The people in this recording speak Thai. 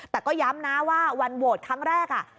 แต่ก็ย้ำนะว่าวันโหวตครั้งแรก